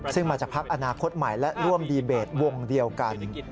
ซึ่งมาจากพักอนาคตใหม่และร่วมดีเบตวงเดียวกัน